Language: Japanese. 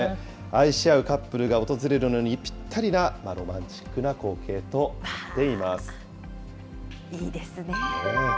愛し合うカップルが訪れるのにぴったりな、ロマンチックな光景となっています。